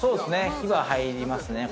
日が入りますね。